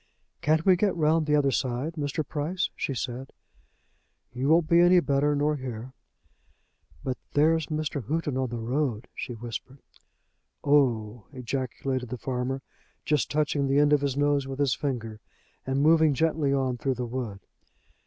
"Can't we get round the other side, Mr. Price?" she said. "You won't be any better nor here." "But there's Mr. Houghton on the road," she whispered. "Oh h h," ejaculated the farmer, just touching the end of his nose with his finger and moving gently on through the wood.